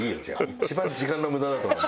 一番時間の無駄だと思う。